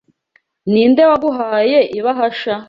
Ninde waguhaye ibahasha?